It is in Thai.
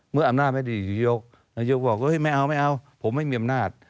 เมื่ออำนาจไม่ได้อยู่ที่นายกนายกบอกไม่เอาผมไม่มีอำนาจ